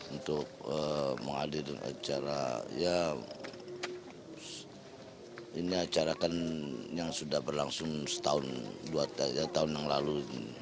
untuk menghadirkan acara ya ini acara kan yang sudah berlangsung setahun dua tahun yang lalu